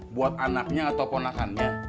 buat anaknya atau ponakannya